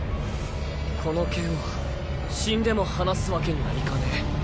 この剣は死んでも離すわけにはいかねぇ。